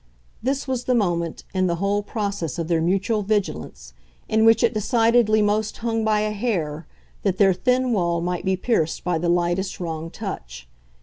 This was the moment, in the whole process of their mutual vigilance, in which it decidedly most hung by a hair that their thin wall might be pierced by the lightest wrong touch.